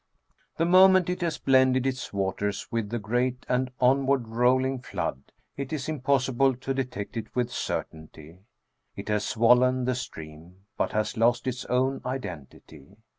The moment it has blended its waters with the great and onward rolling flood, it is impossible to detect it with certainty ; it has swollen the stream, but has lost its own identity.